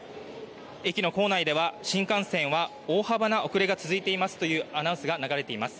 駅の構内では新幹線は大幅な遅れが続いていますというアナウンスが流れています。